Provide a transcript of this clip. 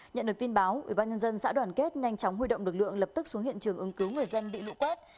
nhận được tin báo ubnd xã đoàn kết nhanh chóng huy động lực lượng lập tức xuống hiện trường ứng cứu người dân bị lũ quét